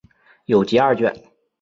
有集二卷。